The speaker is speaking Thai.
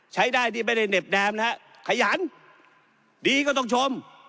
ใช้ได้ที่ไม่ได้เหน็บแดมนะฮะขยันดีก็ต้องชม